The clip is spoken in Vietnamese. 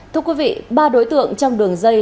thưa quý vị ba đối tượng trong đường dây